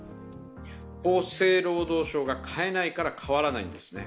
厚生労働省が変えないから変わらないんですね。